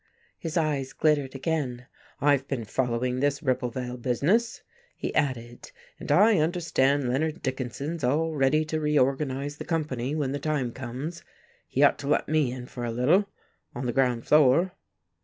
His eyes glittered again. "I've been following this Ribblevale business," he added, "and I understand Leonard Dickinson's all ready to reorganize that company, when the time comes. He ought to let me in for a little, on the ground floor."